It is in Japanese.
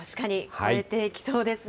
増えていきそうです